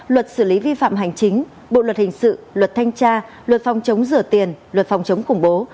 luật xử lý vi phạm hành chính bộ luật hình sự luật thanh tra luật phòng chống rửa tiền luật phòng chống khủng bố